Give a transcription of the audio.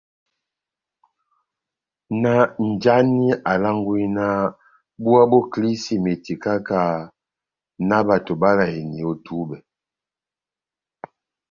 náh njáni alángwí náh búwá bó kilísímeti káha-káha, náh bato báláyeni ó túbɛ?